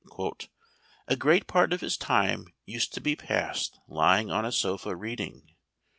"A great part of his time used to be passed lying on a sofa reading.